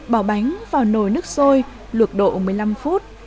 bỏ bánh vào nồi nước sôi luộc độ một mươi năm phút